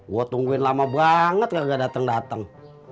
gua tungguin lama banget gak dateng dateng